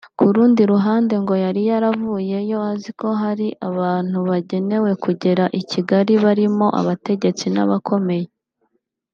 Ku rundi ruhande ngo yari yaravuyeyo azi ko hari abantu bagenewe kugera i Kigali barimo abategetsi n’abakomeye